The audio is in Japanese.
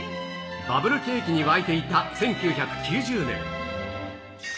バブル景気に沸いていた１９９０年。